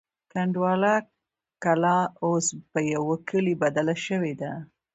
کنډواله کلا اوس په یوه کلي بدله شوې ده.